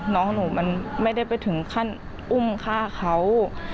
น้องหนูมันไม่ได้ไปถึงขั้นอุ้มฆ่าเขา